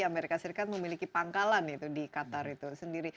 amerika serikat memiliki pangkalan itu di qatar itu sendiri